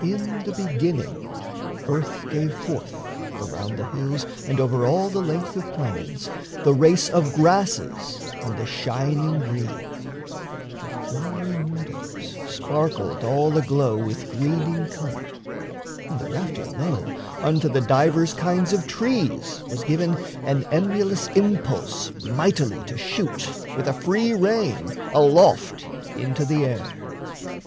In the beginning, earth gave forth, around The hills and over all the length of plains, The race of grasses and the shining green; The flowery meadows sparkled all aglow With greening colour, and thereafter, lo, Unto the divers kinds of trees was given An emulous impulse mightily to shoot, With a free rein, aloft into the air.